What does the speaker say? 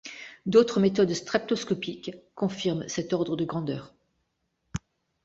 D'autres méthodes spectroscopiques confirment cet ordre de grandeur.